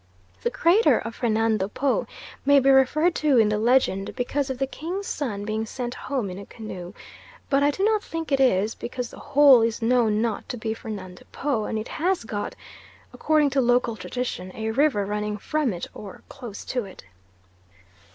The crater of Fernando Po may be referred to in the legend because of the king's son being sent home in a canoe; but I do not think it is, because the Hole is known not to be Fernando Po, and it has got, according to local tradition, a river running from it or close to it.